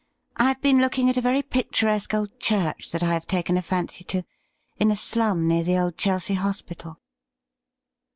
I had been looking at a very picturesque old church that I have taken a fancy to in a slum near the old Chelsea Hospital.'